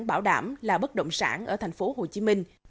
bảo đảm là bất động sản ở thành phố hồ chí minh